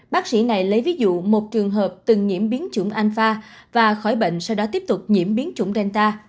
bác sĩ này lấy ví dụ một trường hợp từng nhiễm biến chủng alpha và khỏi bệnh sau đó tiếp tục nhiễm biến chủng delta